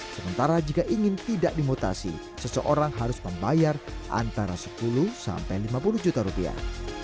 sementara jika ingin tidak dimutasi seseorang harus membayar antara sepuluh sampai lima puluh juta rupiah